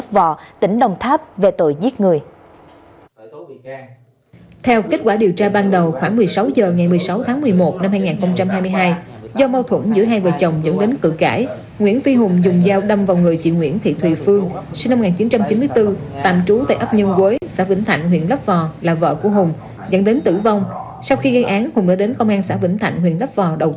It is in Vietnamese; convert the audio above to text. công an tỉnh đồng tháp đã tiến hành khởi tố vụ án khởi tố bị can và ra lệnh tạm giam đối với nguyễn phi hùng sinh năm một nghìn chín trăm chín mươi hai tỉnh đồng tháp